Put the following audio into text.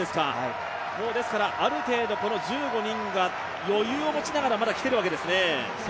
ですからある程度、この１５人が余裕を持ちながら、まだきてるわけですね。